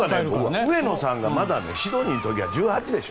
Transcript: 上野さんがシドニーの時には１８歳でしょ。